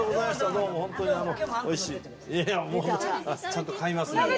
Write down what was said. ちゃんと買いますので。